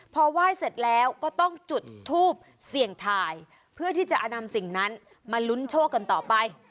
พอไหว้เสร็จแล้วก็ต้องจุดทูบเสี่ยงทายเพื่อที่จะนำสิ่งนั้นมาลุ้นโชคกันต่อไป